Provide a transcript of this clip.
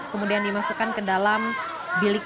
kemudian dimasukkan ke dalam bilik